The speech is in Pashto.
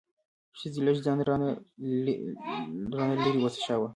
ښځې لږ ځان را نه لرې وڅښاوه.